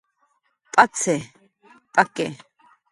"P'acx""i, p'aki"